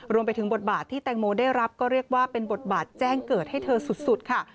รวมไปถึงบทบาทที่แตงโมได้รับก็เรียกว่าเป็นบทบาทแจ้งเกิดให้เธอสุดค่ะ